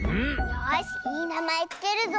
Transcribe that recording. よしいいなまえつけるぞ。